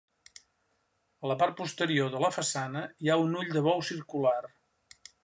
A la part posterior de la façana hi ha un ull de bou circular.